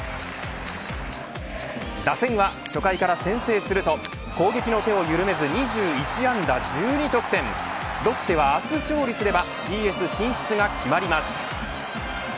打線は、初回から先制すると攻撃の手を緩めず２１安打１２得点ロッテは明日勝利すればＣＳ進出が決まります。